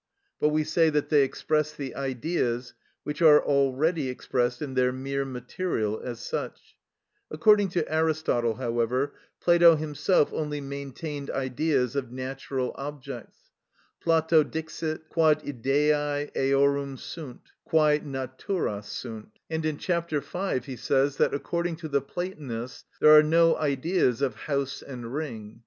but we say that they express the Ideas which are already expressed in their mere material as such. According to Aristotle (Metap. xi., chap. 3), however, Plato himself only maintained Ideas of natural objects: ὁ Πλατων εφη, ὁτι ειδη εστιν ὁποσα φυσει (Plato dixit, quod ideæ eorum sunt, quæ natura sunt), and in chap. 5 he says that, according to the Platonists, there are no Ideas of house and ring.